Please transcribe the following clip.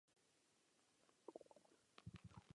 Film také nezaznamenal úspěch.